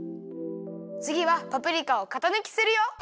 つぎはパプリカをかたぬきするよ。